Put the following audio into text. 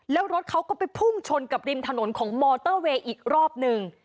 แล้วรถเขาก็ไปพุ่งชนกับริมถนนของมอเตอร์เวย์อีกรอบหนึ่ง